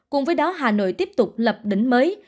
cùng với đó hà nội tiếp tục lập đỉnh mới